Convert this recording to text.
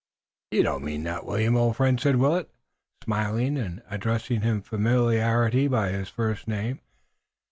"You don't mean that, William, old friend," said Willet, smiling and addressing him familiarly by his first name.